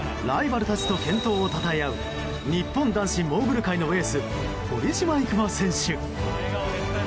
ライバルたちと健闘をたたえ合う日本男子モーグル界のエース堀島行真選手。